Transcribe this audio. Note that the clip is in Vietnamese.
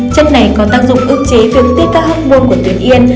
chất này có tác dụng ước chế việc tiết các hormôn của tuyển yên